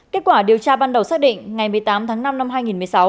kết quả điều tra ban đầu xác định ngày một mươi tám tháng năm năm hai nghìn một mươi sáu